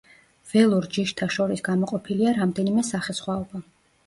ველურ ჯიშთა შორის გამოყოფილია რამდენიმე სახესხვაობა.